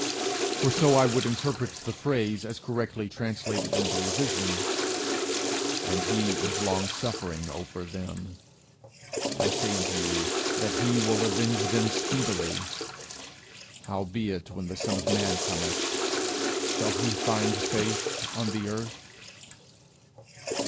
for so I would interpret the phrase, as correctly translated in the Revision, 'and he is long suffering over them.' 'I say unto you, that he will avenge them speedily. Howbeit when the Son of Man cometh, shall he find faith on the earth?'